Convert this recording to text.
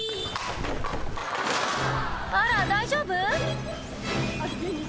あら大丈夫？